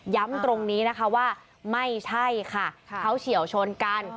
ย้ำตรงนี้ว่าไม่ใช่ค่ะเขาเฉียวชนกัน